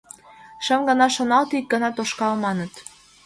Шым гана шоналте — ик гана тошкал, маныт...